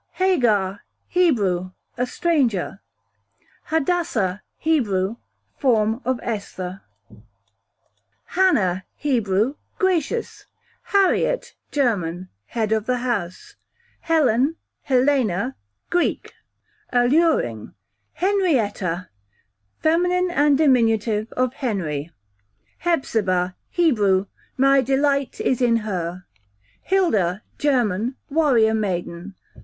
Hagar, Hebrew, a stranger. Hadassah, Hebrew, form of Esther, q.v. Hannah, Hebrew, gracious. Harriet, German, head of the house. Helen / Helena, Greek, alluring. Henrietta, fem. and dim. of Henry, q.v. Hephzibah, Hebrew, my delight is in her. Hilda, German, warrior maiden.